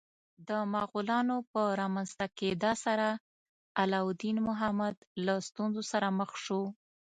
د مغولانو په رامنځته کېدا سره علاوالدین محمد له ستونزو سره مخ شو.